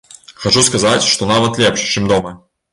Хачу сказаць, што нават лепш, чым дома.